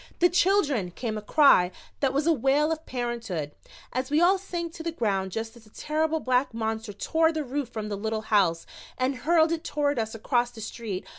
"The children!" came a cry that was a wail of parenthood, as we all sank to the ground just as the terrible black monster tore the roof from the Little House and hurled it toward us across the street.